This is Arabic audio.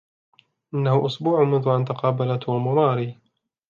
إنه أسبوع منذ أن تقابل توم وماري